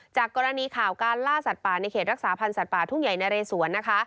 จากกรณีข่าวการล่าสัตว์ป่าในเขตรักษาพันธ์สัตว์ป่าทุ่งใหญ่นะเรสวนนะคะ